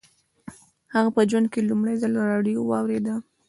هغه په ژوند کې لومړي ځل راډیو واورېده